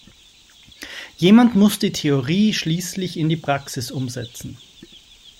Jemand muss die Theorie schließlich in die Praxis umsetzen.